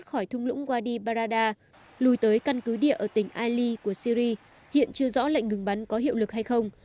trong thung lũng wadi barada lùi tới căn cứ địa ở tỉnh ali của syri hiện chưa rõ lệnh ngừng bắn có hiệu lực hay không